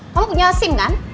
kamu punya sim kan